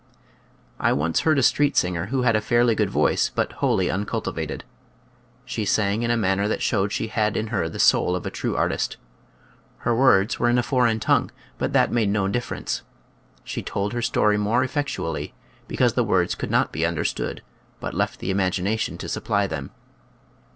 I once heard a street singer who had a fairly good voice but wholly uncultivated. She sang in a manner that showed she had in her the soul of a true artist. Her words were in {^\, Original from UNIVERSITY OF WISCONSIN 94 nature's flSfracles. a foreign tongue, but that made no difference ; she told her story more effectually because the words could not be understood, but left the imagination to supply them.